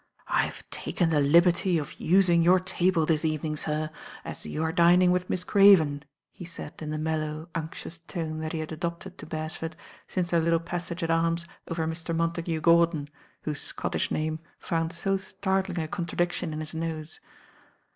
I ve taken the liberty of using your table this evening, sir, as you are dining with Miss Craven," ne said in the mellow, unctuous tone that he had adopted to Beresford since their little passage at arms over Mr. Montagu Gordon, whose Scottish narne found so startling a contradiction in his nose.